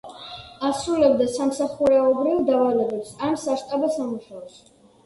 ასრულებდა სამსახურეობრივ დავალებებს, ან საშტაბო სამუშაოს.